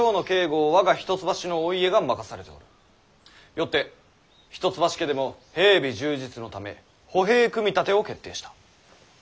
よって一橋家でも兵備充実のため歩兵組み立てを決定した。